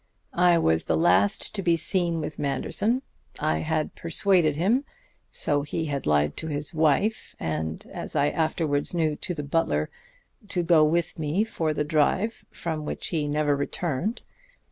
"I was the last to be seen with Manderson. I had persuaded him so he had lied to his wife and, as I afterwards knew, to the butler to go with me for the drive from which he never returned.